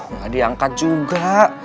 nggak diangkat juga